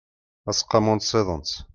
aseqqamu n tsiḍent